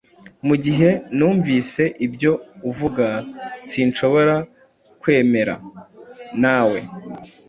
Mugihe numvise ibyo uvuga, sinshobora kwemeraa nawe.